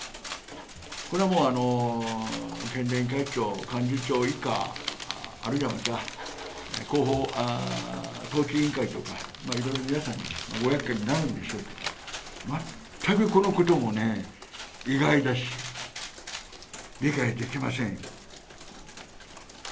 これは県連会長、幹事長以下、あるいはまた党紀委員会とかいろいろごやっかいになるんでしょうけれども、このことも意外だし理解できません。